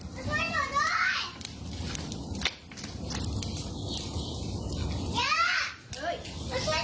พี่พอไม่ต้องการถ่ายกินแล้ว